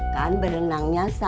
kan berenangnya santai